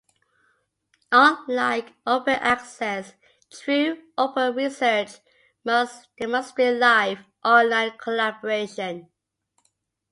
Unlike open access, true open research must demonstrate live, online collaboration.